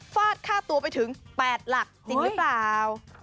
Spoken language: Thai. ฟาดค่าตัวไปถึง๘หลักจริงหรือเปล่า